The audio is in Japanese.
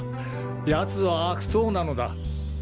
奴は悪党なのだ。